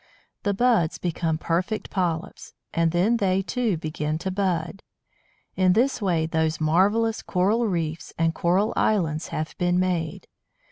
The buds become perfect polyps, and then they, too, begin to bud. In this way, those marvellous coral reefs and coral islands have been made.